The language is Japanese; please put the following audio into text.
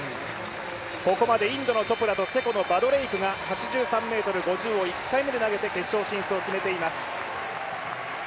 ここまでインドのチョプラとチェコのバドレイクが８３ｍ５０を１回目で投げて決勝進出を決めています。